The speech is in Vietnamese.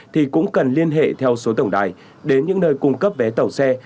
thì cũng cần liên hệ theo số tổng đài đến những nơi cung cấp vé tàu xe